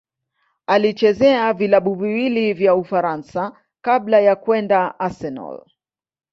Alichezea vilabu viwili vya Ufaransa kabla ya kwenda Arsenal.